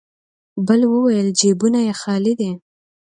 بل وويل: جيبونه يې خالي دی.